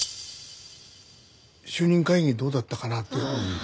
主任会議どうだったかなって。